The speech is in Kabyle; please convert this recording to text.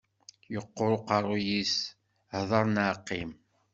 Yeqqur uqerruy-is, hdeṛ neɣ qqim.